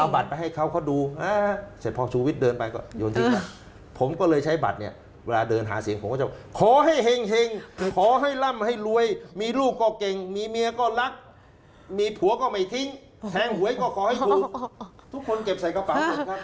บัตรไปให้เขาเขาดูเสร็จพอชูวิทย์เดินไปก็โยนทิ้งบัตรผมก็เลยใช้บัตรเนี่ยเวลาเดินหาเสียงผมก็จะขอให้เห็งขอให้ล่ำให้รวยมีลูกก็เก่งมีเมียก็รักมีผัวก็ไม่ทิ้งแทงหวยก็ขอให้ถูกทุกคนเก็บใส่กระเป๋าหมดครับ